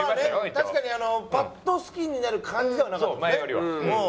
確かにパッと好きになる感じではなかったよね。